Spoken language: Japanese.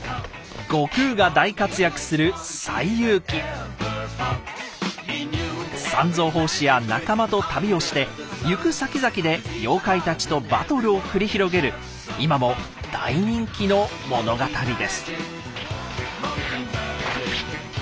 悟空が大活躍する三蔵法師や仲間と旅をして行くさきざきで妖怪たちとバトルを繰り広げる今も大人気の物語です。